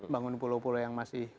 bangun pulau pulau yang masih